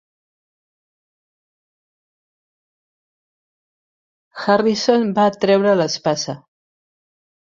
Harrison va treure l'espasa.